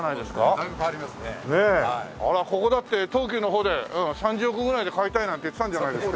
あらここだって東急の方で３０億ぐらいで買いたいなんて言ってたんじゃないですか？